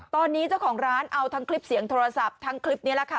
ตอนนี้เจ้าของร้านเอาทั้งคลิปเสียงโทรศัพท์ทั้งคลิปนี้แหละค่ะ